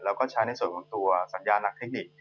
แล้วก็ใช้ในส่วนของตัวสัญญาหลักเทคนิค